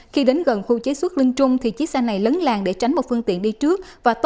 khi đến gần khu chế xuất linh trung thì chiếc xe này lấn làng để tránh một phương tiện đi trước và